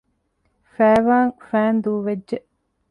ފައިވާން ފައިން ދޫވެއްޖެ